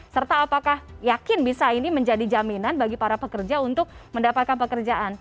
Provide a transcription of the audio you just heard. serta apakah yakin bisa ini menjadi jaminan bagi para pekerja untuk mendapatkan pekerjaan